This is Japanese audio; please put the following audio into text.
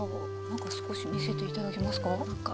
中少し見せて頂けますか？